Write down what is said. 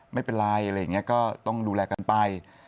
ไม่เป็นไรอะไรอย่างนี้ก็ต้องดูแลกันไป